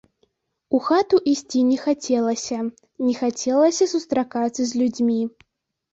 У хату ісці не хацелася, не хацелася сустракацца з людзьмі.